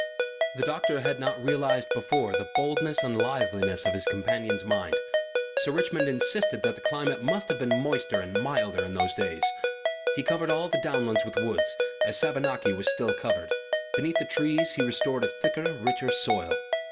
The doctor had not realized before the boldness and liveliness of his companion's mind. Sir Richmond insisted that the climate must have been moister and milder in those days; he covered all the downlands with woods, as Savernake was still covered; beneath the trees he restored a thicker, richer soil.